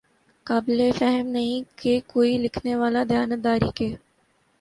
قابل فہم نہیں کہ کوئی لکھنے والا دیانت داری کے